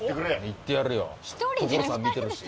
いってやるよ。